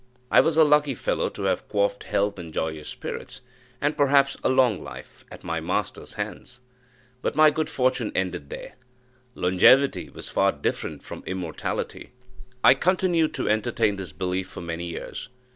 I was a lucky fellow to have quaffed health and joyous spirits, and perhaps a long life, at my master's hands; but my good fortune ended there: longevity was far different from immortality. I continued to entertain this belief for many years.